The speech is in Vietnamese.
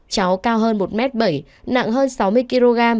cháu cao hơn một m bảy nặng hơn sáu mươi kg